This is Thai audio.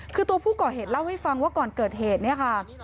คือตัวผู้ก่อเหตุเล่าให้ฟังว่าก่อนเกิดเหตุเนี่ยค่ะ